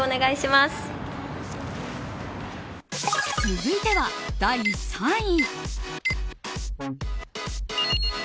続いては、第３位。